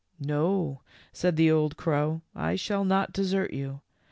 w No," said the old crow, "I shall not desert you.